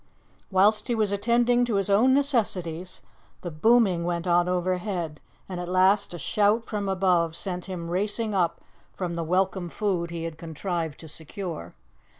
Whilst he was attending to his own necessities, the booming went on overhead, and at last a shout from above sent him racing up from the welcome food he had contrived to secure.